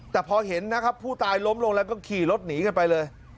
แต่พอเห็นนะครับผู้ตายล้มลงแล้วก็ขี่รถหนีกันไปเลย